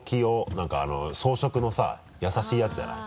何か草食のさ優しいやつじゃない？